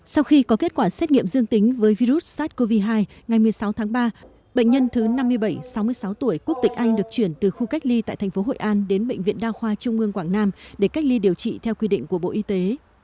sau khi có kết quả xét nghiệm dương tính với virus sars cov hai ngày một mươi sáu tháng ba bệnh nhân thứ năm mươi bảy sáu mươi sáu tuổi quốc tịch anh được chuyển từ khu cách ly tại thành phố hội an đến bệnh viện đa khoa trung ương quảng nam để cách ly điều trị theo quy định của bộ y tế